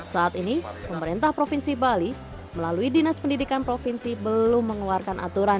saat ini pemerintah provinsi bali melalui dinas pendidikan provinsi belum mengeluarkan aturan